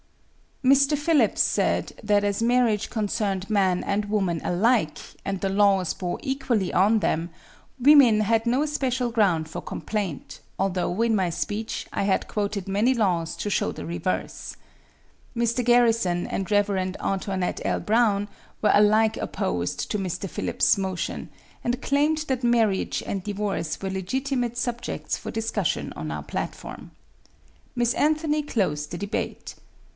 Mr. Phillips said that as marriage concerned man and woman alike, and the laws bore equally on them, women had no special ground for complaint, although, in my speech, I had quoted many laws to show the reverse. Mr. Garrison and Rev. Antoinette L. Brown were alike opposed to Mr. Phillips' motion, and claimed that marriage and divorce were legitimate subjects for discussion on our platform. Miss Anthony closed the debate.